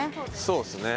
そうですね。